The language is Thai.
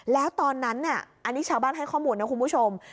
แล้วตอนนั้นอันนี้ชาวบ้านให้ข้อมูลนะคุณผู้ชม